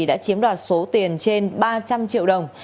đã chiếm đoạt số tiền trên ba trăm linh triệu đồng